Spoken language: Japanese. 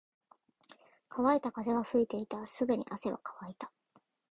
乾いた風が吹いていた。すぐに汗は乾いた。